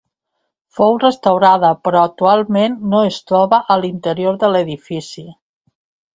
Fou restaurada però actualment no es troba a l'interior de l'edifici.